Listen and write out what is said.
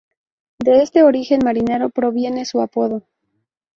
De este origen marinero proviene su apodo.